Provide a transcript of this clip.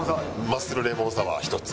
マッスルレモンサワー１つ。